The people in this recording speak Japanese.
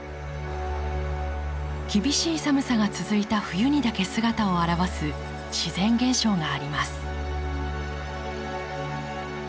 厳しい寒さが続いた冬にだけ姿を現す自然現象があります。